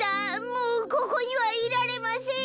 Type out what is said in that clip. もうここにはいられません。